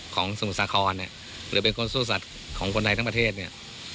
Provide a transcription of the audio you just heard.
สมุทรสาครเนี่ยหรือเป็นคนซื่อสัตว์ของคนไทยทั้งประเทศเนี่ย